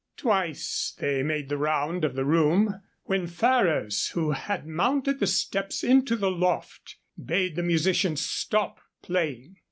Twice they made the round of the room, when Ferrers, who had mounted the steps into the loft, bade the musicians stop playing.